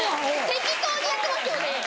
適当にやってますよね。